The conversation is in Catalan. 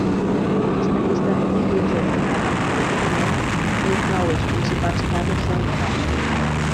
Aquesta llista de títols, ordenada alfabèticament, inclou els principals càrrecs del govern.